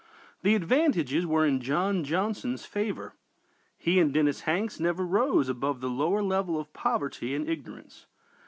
The advantages were in John Johnston's favor. He and Dennis Hanks never rose above the lower level of poverty and ignorance.